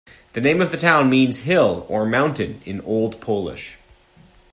The name of the town means "hill" or "mountain" in Old Polish.